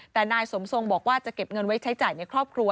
แต่นายสมทรงบอกว่าจะเก็บเงินไว้ใช้จ่ายในครอบครัว